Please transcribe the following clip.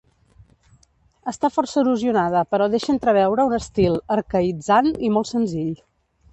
Està força erosionada però deixa entreveure un estil arcaïtzant i molt senzill.